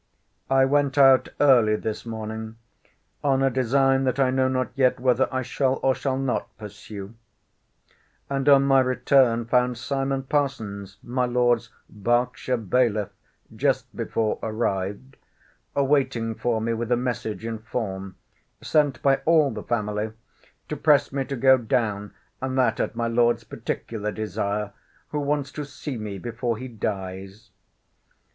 I went out early this morning, on a design that I know not yet whether I shall or shall not pursue; and on my return found Simon Parsons, my Lord's Berkshire bailiff, (just before arrived,) waiting for me with a message in form, sent by all the family, to press me to go down, and that at my Lord's particular desire, who wants to see me before he dies.